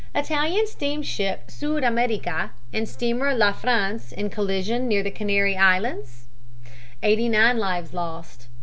Italian steamship Sud America and steamer La France in collision near the Canary Islands; 89 lives lost.